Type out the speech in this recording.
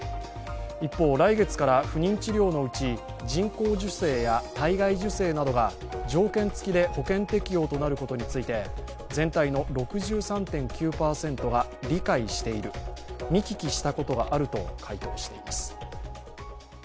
一方、来月から不妊治療のうち人工授精や体外受精などが条件付きで保険適用となることについて全体の６３．９％が理解している見聞きしたことがあると回答しています。